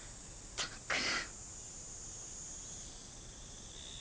ったく。